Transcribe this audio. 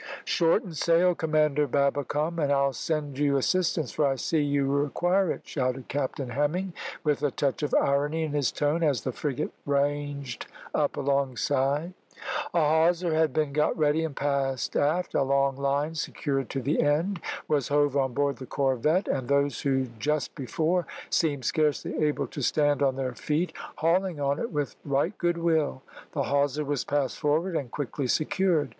"Shorten sail, Commander Babbicome, and I'll send you assistance, for I see you require it," shouted Captain Hemming, with a touch of irony in his tone, as the frigate ranged up alongside. A hawser had been got ready and passed aft; a long line secured to the end was hove on board the corvette, and those who just before seemed scarcely able to stand on their feet hauling on it with right good will; the hawser was passed forward, and quickly secured.